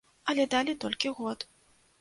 Але далі толькі год.